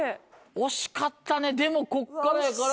惜しかったねでもこっからやから。